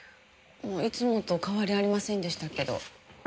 いつもと変わりありませんでしたけど。